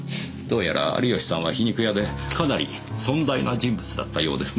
どうやら有吉さんは皮肉屋でかなり尊大な人物だったようですね。